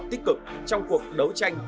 tích cực trong cuộc đấu tranh